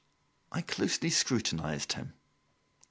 I closely scrutinised him.